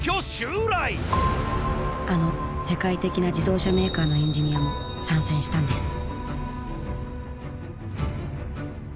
あの世界的な自動車メーカーのエンジニアも参戦したんです